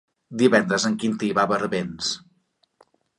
Divendres en Quintí va a Barbens.